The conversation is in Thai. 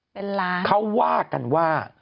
เป็นล้านเขาว่ากันว่า